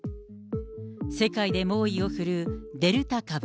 世界で猛威を振るうデルタ株。